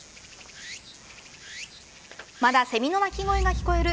まだセミの鳴き声が聞こえる